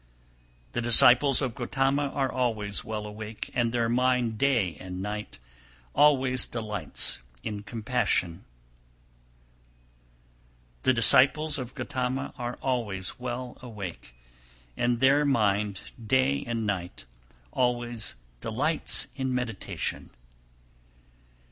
300. The disciples of Gotama are always well awake, and their mind day and night always delights in compassion. 301. The disciples of Gotama are always well awake, and their mind day and night always delights in meditation.